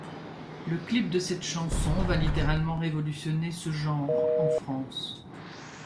Le clip de cette chanson va littéralement révolutionner ce genre en France.